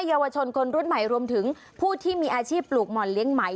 เยาวชนคนรุ่นใหม่รวมถึงผู้ที่มีอาชีพปลูกห่อนเลี้ยงไหม